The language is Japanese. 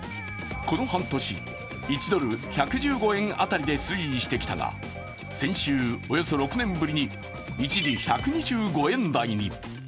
この半年、１ドル＝１１５円辺りで推移していたが、先週、およそ６年ぶりに一時１２５円台に。